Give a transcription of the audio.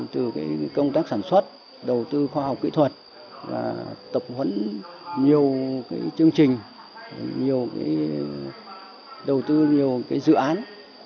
từ công tác sản xuất đầu tư khoa học kỹ thuật và tập huấn nhiều chương trình đầu tư nhiều dự án